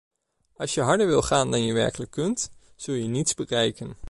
Als je harder wil gaan dan je werkelijk kunt, zul je niets bereiken.